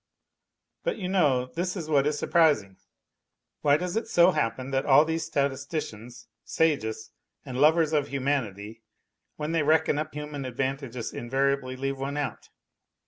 But, you know, this is what is surprising : why does it so happen that all these statisticians, sages and lovers of humanity, when they reckon up human advantages invariably leave out one